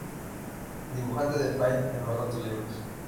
Dibujante de Paint en los ratos libres.